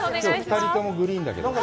２人ともグリーンのだね。